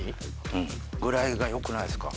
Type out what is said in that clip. うんぐらいがよくないすか？